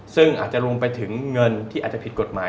ซึ่งอาจจะรวมไปถึงเงินที่อาจจะผิดกฎหมาย